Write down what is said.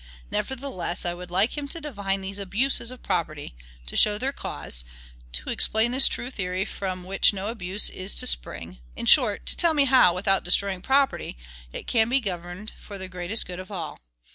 Nevertheless, I would like him to define these ABUSES of property, to show their cause, to explain this true theory from which no abuse is to spring; in short, to tell me how, without destroying property, it can be governed for the greatest good of all.